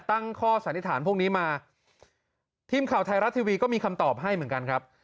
ตั้งข้อสันนิษฐานพวกนี้มาทีมข่าวไทยรัฐทีวีก็มีคำตอบให้เหมือนกันครับ